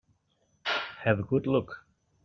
Have a good look.